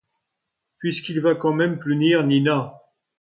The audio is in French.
Puis qu'il va quand même punir Nina.